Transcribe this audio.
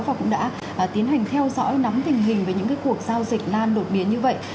và cũng đã tiến hành theo dõi nắm tình hình về những cuộc giao dịch lan đột biến như vậy